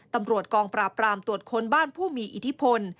ตำรวจกองปราบปรามตรวจค้นบ้านผู้มีอิทธิพล